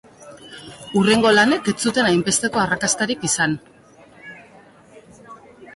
Hurrengo lanek ez zuten hainbesteko arrakastarik izan.